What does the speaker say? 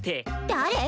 誰？